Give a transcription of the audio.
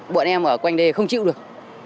bọn em ở quanh đây không chịu được